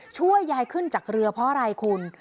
ช่วยยายขึ้นจากเรือเพราะอะไรคุณ